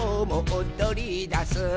おどりだす」